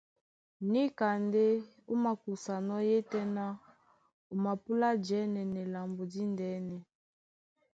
Níka ndé ó makusanɔ́, yétɛ̄ná o mapúlá jɛ́nɛnɛ lambo díndɛ̄nɛ.